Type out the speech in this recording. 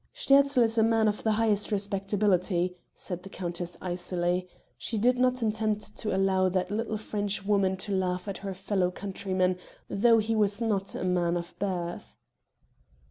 "Sterzl is a man of the highest respectability," said the countess icily; she did not intend to allow that little French woman to laugh at her fellow countryman, though he was not a man of birth.